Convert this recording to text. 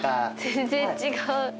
全然違う。